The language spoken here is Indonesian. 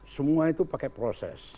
semua itu pakai proses